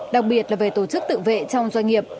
đặc biệt là về tổ chức tự vệ trong doanh nghiệp